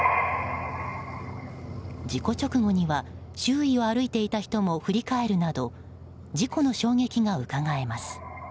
事故直後には周囲を歩いていた人も振り返るなど事故の衝撃がうかがえます。